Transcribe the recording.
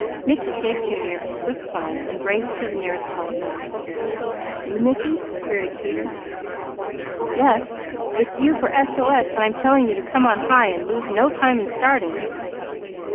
Mickey gave Junior a swift glance; then raced to the nearest telephone. "You Mickey?" queried Peter. "Yes. It's you for S.O.S., and I'm to tell you to come on high, and lose no time in starting."